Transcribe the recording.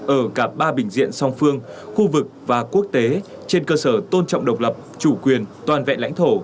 ở cả ba bình diện song phương khu vực và quốc tế trên cơ sở tôn trọng độc lập chủ quyền toàn vẹn lãnh thổ